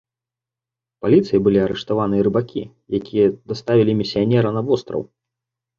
Паліцыяй былі арыштаваныя рыбакі, якія даставілі місіянера на востраў.